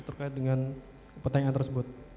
terkait dengan pertanyaan tersebut